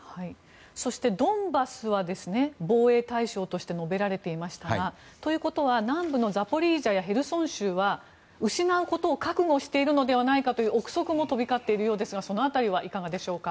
そして、ドンバスは防衛対象として述べられていましたがということは南部のザポリージャやヘルソン州は失うことを覚悟しているのではないかという臆測も飛び交っているようですがその辺りはいかがでしょうか。